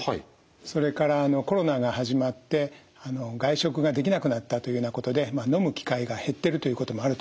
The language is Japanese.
それからコロナが始まって外食ができなくなったというようなことでまあ飲む機会が減っているということもあると思います。